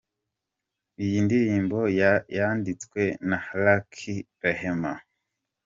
com ko iyi ndirimbo yanditswe na Lucky Rehema.